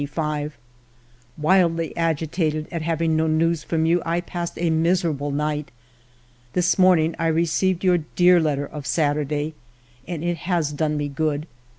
" Wildly agitated at having no news from you, I passed a miserable night. This morning I re ceived your dear letter of Saturday, and it has done me good.